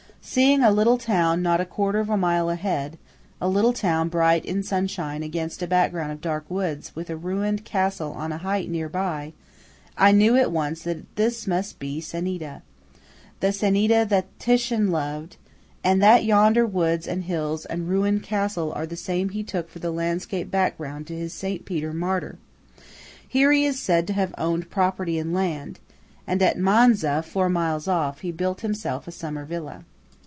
Seeing a little town not a quarter of a mile ahead–a little town bright in sunshine against a background of dark woods, with a ruined castle on a height near by, I know at once that this must be Ceneda–the Ceneda that Titian loved–and that yonder woods and hills and ruined castle are the same he took for the landscape background to his St. Peter Martyr. Here he is said to have owned property in land; and at Manza, four miles off, he built himself a summer villa.